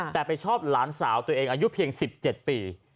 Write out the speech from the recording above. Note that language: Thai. แต่ไปชอบหลานสาวตัวเองอายุเพียง๑๗ปี